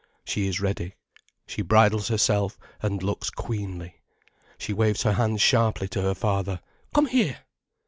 She is ready. She bridles herself and looks queenly. She waves her hand sharply to her father: "Come here!"